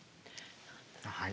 はい。